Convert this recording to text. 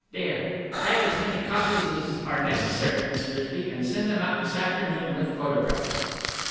There! Type as many copies as are necessary, Miss Frisby, and send them out this afternoon with photographs."